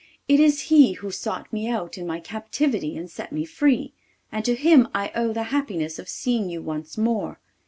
'It is he who sought me out in my captivity and set me free, and to him I owe the happiness of seeing you once more.